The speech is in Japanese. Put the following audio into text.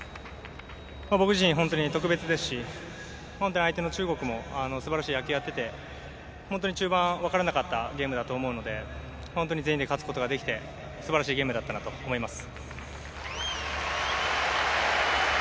僕自身、本当に特別ですし、相手の中国もすばらしい野球やっていて中盤分からなかったというゲームだと思うので全員で勝つことができてすばらしいゲームだったと思います。